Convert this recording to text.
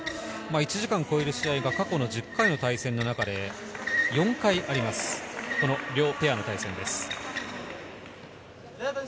１時間を超える試合は過去１０回の中で４回あります、両ペアの対戦です。